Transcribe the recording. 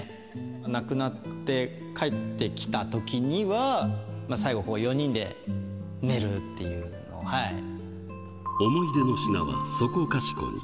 亡くなって帰ってきたときには、最後、思い出の品はそこかしこに。